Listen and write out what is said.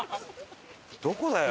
どこだよ！